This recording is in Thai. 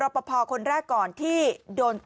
ไม่รู้อะไรกับใคร